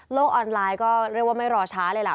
ออนไลน์ก็เรียกว่าไม่รอช้าเลยล่ะ